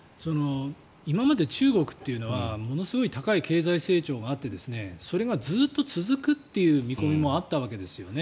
今まで中国というのはものすごい高い経済成長があってそれがずっと続くという見込みもあったわけですよね。